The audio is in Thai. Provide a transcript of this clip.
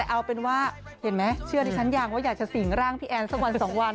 เอาเป็นว่าเห็นไหมเชื่อดิฉันยังว่าอยากจะสิ่งร่างพี่แอนสักวันสองวัน